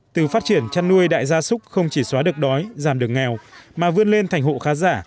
từ phát triển chăn nuôi đại gia súc không chỉ xóa được đói giảm được nghèo mà vươn lên thành hộ khá giả